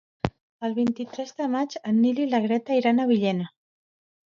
El vint-i-tres de maig en Nil i na Greta iran a Villena.